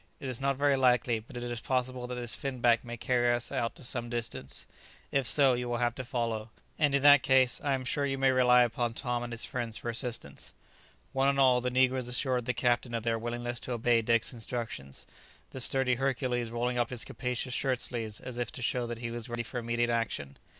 It is not very likely, but it is possible that this finback may carry us out to some distance. If so, you will have to follow; and in that case, I am sure you may rely upon Tom and his friends for assistance." One and all, the negroes assured the captain of their willingness to obey Dick's instructions, the sturdy Hercules rolling up his capacious shirt sleeves as if to show that he was ready for immediate action.